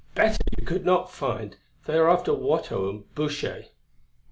Better you could not find; they are after Watteau and Boucher."